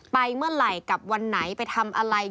ไปเมื่อไหร่กับวันไหนไปทำอะไร